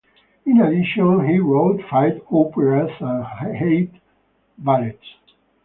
In addition, he wrote five operas and eight ballets.